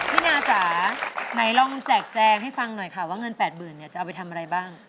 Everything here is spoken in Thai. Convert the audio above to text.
นาจ๋าไหนลองแจกแจงให้ฟังหน่อยค่ะว่าเงิน๘๐๐๐เนี่ยจะเอาไปทำอะไรบ้าง